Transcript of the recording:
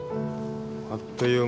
あっという間。